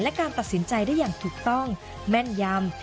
และการตัดสินใจได้อย่างถูกต้องแม่นยำ